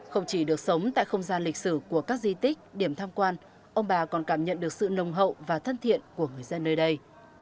không chỉ được sống tại không gian lịch sử của các di tích điểm tham quan ông bà còn cảm nhận được sự nồng hậu và thân thiện của người dân nơi đây